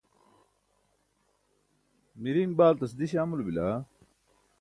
miriiṅ baaltas diś amulo bila?